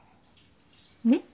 ねっ？